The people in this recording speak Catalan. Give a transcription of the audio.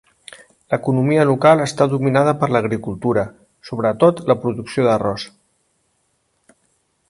L'economia local està dominada per l'agricultura, sobretot la producció d'arròs.